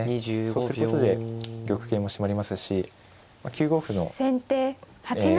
そうすることで玉形も締まりますし９五歩のえ